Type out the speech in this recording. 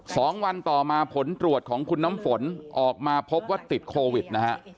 สองวันต่อมาผลตรวจของคุณน้ำฝนออกมาพบว่าติดโควิดนะฮะ